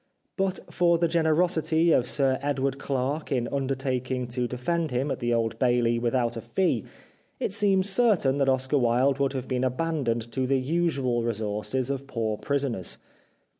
But for the generosity of Sir Edward Clarke in under taking to defend him at the Old Bailey without a fee, it seems certain that Oscar Wilde would have been abandoned to the usual resources of poor prisoners.